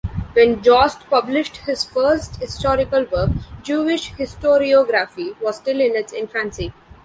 When Jost published his first historical work, Jewish historiography was still in its infancy.